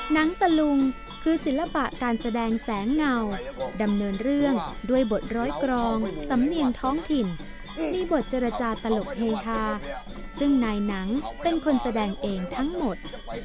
หนังตะลุงคือศิลปะการแสดงแสงเงาดำเนินเรื่องด้วยบทร้อยกรองสำเนียงท้องถิ่นมีบทเจรจาตลกเฮฮาซึ่งนายหนังเป็นคนแสดงเองทั้งหมด